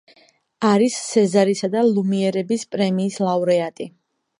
არის სეზარისა და ლუმიერების პრემიის ლაურეატი.